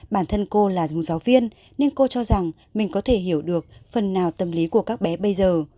bản thân cô là dù giáo viên nên cô cho rằng mình có thể hiểu được phần nào tâm lý của các bé bây giờ